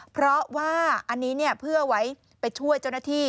เพราะว่าอันนี้เพื่อไว้ไปช่วยเจ้าหน้าที่